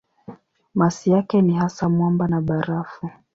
Masi yake ni hasa mwamba na barafu.